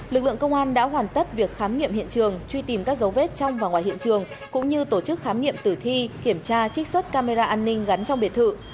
lực lượng công an đã hoàn tất việc khám nghiệm hiện trường truy tìm các dấu vết trong và ngoài hiện trường cũng như tổ chức khám nghiệm tử thi kiểm tra trích xuất camera an ninh gắn trong biệt thự